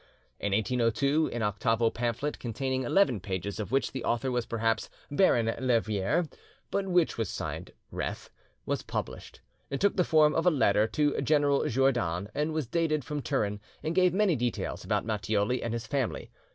In 1802 an octavo pamphlet containing 11 pages, of which the author was perhaps Baron Lerviere, but which was signed Reth, was published. It took the form of a letter to General Jourdan, and was dated from Turin, and gave many details about Matthioli and his family.